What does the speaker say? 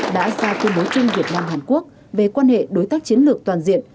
đã ra công bố chung việt nam hàn quốc về quan hệ đối tác chiến lược toàn diện